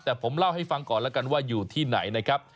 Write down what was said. แต่ผมเล่าให้ฟังก่อนแล้วกันว่าอยู่ที่ไหนนะครับ